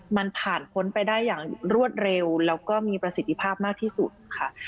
มันผ่านพ้นไปได้อย่างรวดเร็วแล้วก็มีประสิทธิภาพมากที่สุดค่ะ